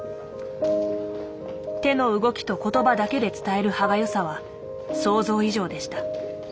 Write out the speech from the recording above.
手の動きと言葉だけで伝える歯がゆさは想像以上でした。